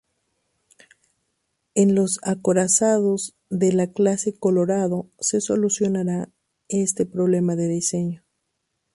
En los acorazados de la clase Colorado se solucionaría este problema de diseño.